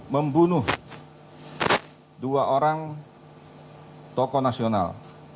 membunuh dua orang tokoh nasional